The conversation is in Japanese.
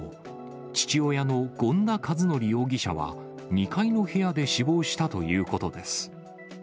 父親の権田一則容疑者は２階の部屋で死亡したということです。